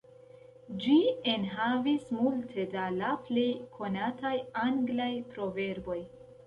Ĝi enhavis multe da la plej konataj anglaj proverboj.